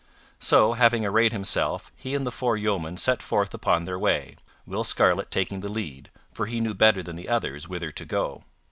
So, having arrayed himself, he and the four yeomen set forth upon their way, Will Scarlet taking the lead, for he knew better than the others whither to go.